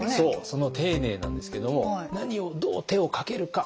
その丁寧なんですけども何をどう手をかけるか。